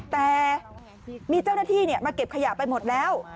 แต่มีเจ้าหน้าที่มาเก็บขยะไปหมดแล้ว